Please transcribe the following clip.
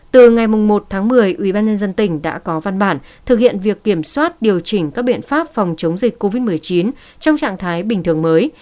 từ ngày một tháng một mươi ubnd tỉnh đã có văn bản thực hiện việc kiểm soát điều chỉnh các biện pháp phòng chống dịch covid một mươi chín trong trạng thái bình thường mới